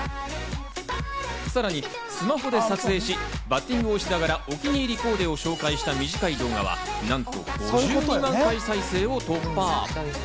さらにスマホで撮影しバッティングをしながら、お気に入りコーデを紹介した短い動画は、なんと５２万回再生を突破。